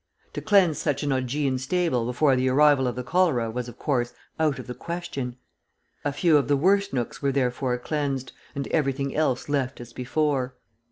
To cleanse such an Augean stable before the arrival of the cholera was, of course, out of the question. A few of the worst nooks were therefore cleansed, and everything else left as before.